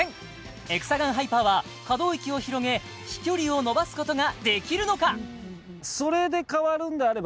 エクサガンハイパーは可動域を広げ飛距離を伸ばすことができるのか